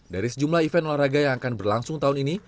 dari sejumlah event olahraga yang akan berlangsung tahun ini